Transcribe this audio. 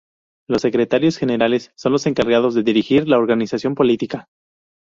Los secretarios generales son los encargados de dirigir la organización política.